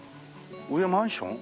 上マンション？